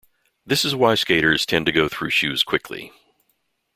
This is why skaters tend to go through shoes quickly.